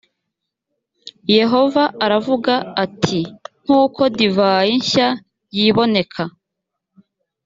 yehova aravuga ati nk uko divayi nshya y iboneka